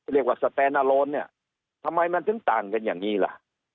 สแตนอาโลนเนี่ยทำไมมันถึงต่างกันอย่างนี้ล่ะ